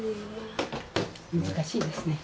難しいですね。